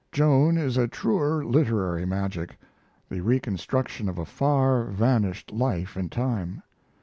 Joan is a truer literary magic the reconstruction of a far vanished life and time.